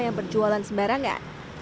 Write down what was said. yang berjualan sembarangan